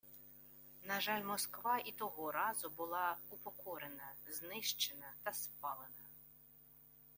На жаль, Москва і того разу була упокорена, знищена та спалена